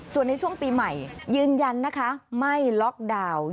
ส่วนในช่วงปีใหม่ยืนยันนะคะไม่ล็อกดาวน์